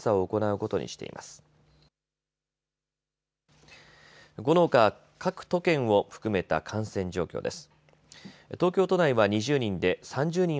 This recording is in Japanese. このほか各都県を含めた感染状況です。